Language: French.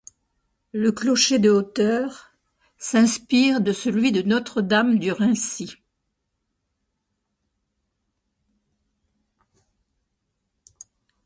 Le clocher de de hauteur s’inspire de celui de l’Église Notre-Dame du Raincy.